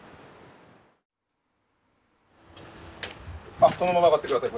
あっそのまま上がってください。